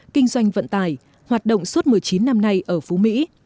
kinh doanh vận tài hoạt động suốt một mươi chín năm nay ở phú mỹ